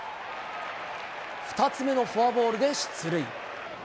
２つ目のフォアボールで出塁。